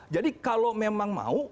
jadi kalau memang mau